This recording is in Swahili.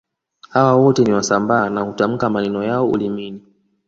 Hawa wote ni Wasambaa na hutamka maneno yao ulimini